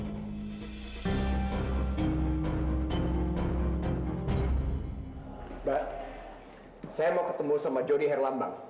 mbak saya mau ketemu sama jody herlambang